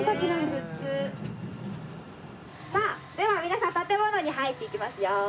さあでは皆さん建物に入っていきますよ。